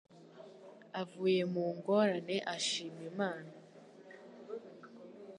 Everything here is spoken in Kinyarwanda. Avuye mu ngorane ashima Imana